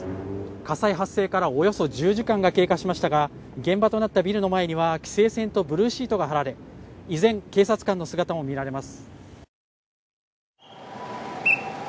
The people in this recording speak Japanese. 火災発生からおよそ１０時間が経過しましたが、現場となったビルの前には規制線とビニールシートが張られ依然、警察官の姿も見られます。